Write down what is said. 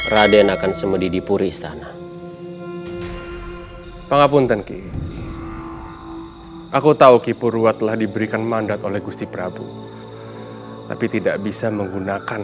raden berubah menaktil melanggar peraturan dan harus di berikan hukuman